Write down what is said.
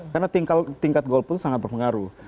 karena tingkat golput sangat berpengaruh